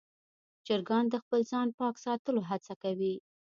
چرګان د خپل ځان پاک ساتلو هڅه کوي.